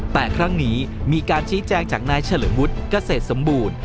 แต่ครั้งนี้มีการชี้แจงจากนายเฉลิมวุฒิเกษตรสมบูรณ์